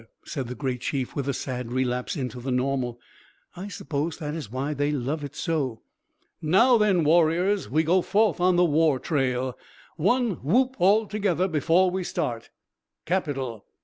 said the great Chief, with a sad relapse into the normal. "I suppose that is why they love it so. Now, then, warriors, we go forth on the war trail. One whoop all together before we start. Capital!